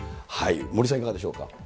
森さん、いかがでしょうか。